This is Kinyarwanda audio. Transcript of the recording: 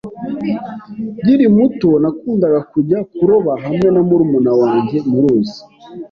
Nkiri muto, nakundaga kujya kuroba hamwe na murumuna wanjye muruzi.